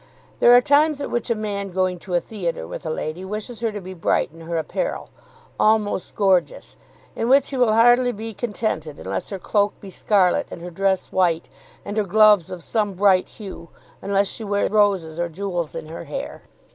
There are times at which a man going to a theatre with a lady wishes her to be bright in her apparel, almost gorgeous; in which he will hardly be contented unless her cloak be scarlet, and her dress white, and her gloves of some bright hue, unless she wear roses or jewels in her hair.